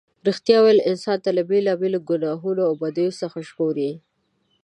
رښتیا ویل انسان له بېلا بېلو گناهونو او بدیو څخه ژغوري.